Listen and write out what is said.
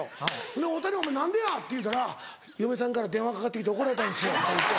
ほんで「太田何でや？」って言うたら「嫁さんから電話かかって来て怒られたんですよ」。